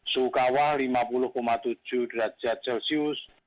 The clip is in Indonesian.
suhu kawah lima puluh tujuh derajat celcius